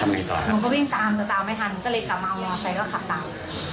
หนูก็วิ่งตามแต่ตามไม่ทันก็เลยกลับมามอเตอร์ไซค์ก็ขับตาม